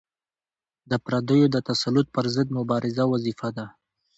د پردیو د تسلط پر ضد مبارزه وظیفه ده.